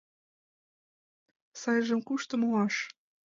— Сайжым кушто муаш?